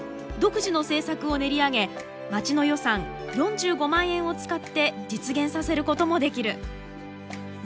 独自の政策を練り上げ町の予算４５万円を使って実現させることもできる。